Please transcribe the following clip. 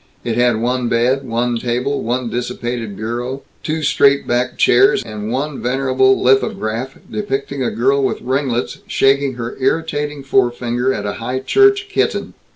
It had one bed, one table, one dissipated bureau, two straight bare chairs, and one venerable lithograph depicting a girl with ringlets shaking her irritating forefinger at a high church kitten.